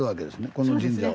この神社を。